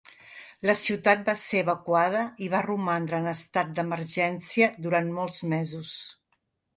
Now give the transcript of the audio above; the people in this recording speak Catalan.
La ciutat va ser evacuada i va romandre en estat d'emergència durant molts mesos.